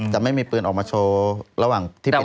จะไม่มีปืนออกมาโชว์ระหว่างที่ปืน